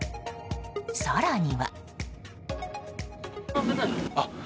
更には。